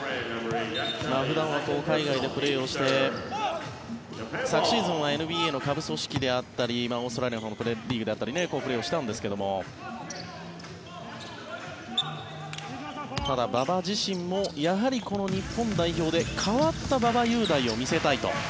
普段は海外でプレーして昨シーズンはＮＢＡの下部組織であったりオーストラリアのリーグでもプレーしたんですけどただ、馬場自身もやはりこの日本代表で変わった馬場雄大を見せたいと。